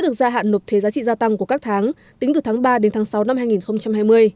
nó được nộp thuế giá trị gia tăng của các tháng tính từ tháng ba đến tháng sáu năm hai nghìn hai mươi